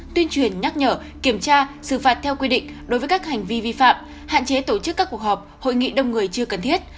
tuyên truyền nhắc nhở kiểm tra xử phạt theo quy định đối với các hành vi vi phạm hạn chế tổ chức các cuộc họp hội nghị đông người chưa cần thiết